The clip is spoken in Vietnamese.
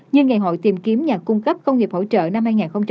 như ngày hội tìm kiếm nhà cung cấp công nghiệp hỗ trợ năm hai nghìn một mươi chín